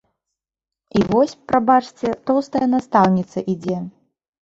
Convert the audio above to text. І вось, прабачце, тоўстая настаўніца ідзе.